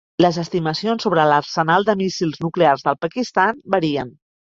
Les estimacions sobre l'arsenal de míssils nuclears del Pakistan varien.